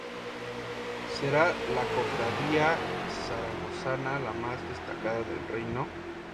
Será la cofradía zaragozana la más destacada del reino.